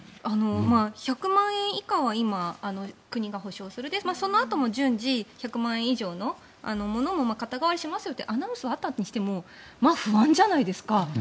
１００万円以下は国が補償するそのあとも順次、１００万円以上のものもかた替えしますよとアナウンスがあったとしても不安じゃないですか。